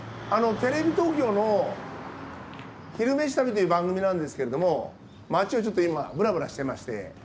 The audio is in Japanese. あのテレビ東京の「昼めし旅」という番組なんですけれども町を今ぶらぶらしてまして。